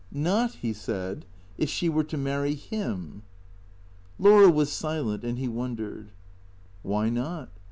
" Not,'^ he said, " if she were to marry Ilim? " Laura was silent, and he wondered. Why not?